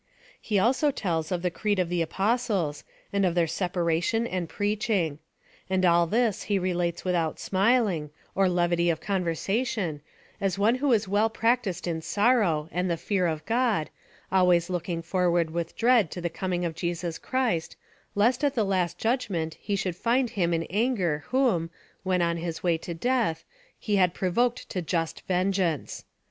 He also tells of the creed of the Apostles, and of their separation and preaching. And all this he relates without smiling, or levity of conversation, as one who is well practised in sorrow and the fear of God, always looking forward with dread to the coming of Jesus Christ, lest at the Last Judgment he should find him in anger whom, when on his way to death, he had provoked to just vengeance.